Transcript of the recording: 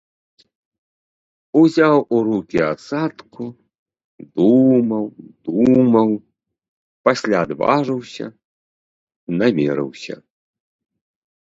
Узяў у рукі асадку, думаў, думаў, пасля адважыўся, намерыўся.